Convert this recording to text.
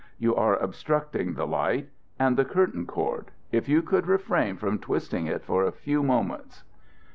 You are obstructing the light. And the curtain cord. If you could refrain from twisting it for a few moments."